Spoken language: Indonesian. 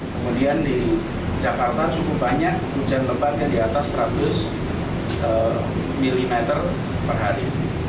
kemudian di jakarta cukup banyak hujan lebat yang di atas seratus mm per hari